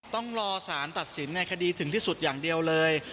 ต้องรอสารตัดสินในคดีถึงที่สุดอย่างเดียวเลย